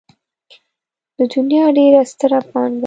د دنيا ډېره ستره پانګه.